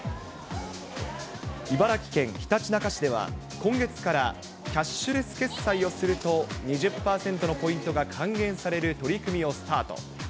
茨城県ひたちなか市では、今月から、キャッシュレス決済をすると２０％のポイントが還元される取り組みをスタート。